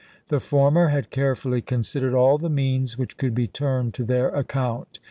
The former had carefully considered all the means which could be turned to their account.